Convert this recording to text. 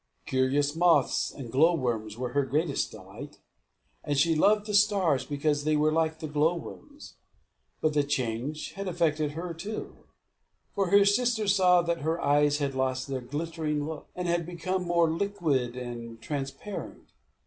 Curious moths and glow worms were her greatest delight; and she loved the stars, because they were like the glow worms. But the change had affected her too; for her sister saw that her eyes had lost their glittering look, and had become more liquid and transparent.